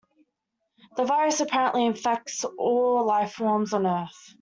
The virus apparently infects all life forms on earth.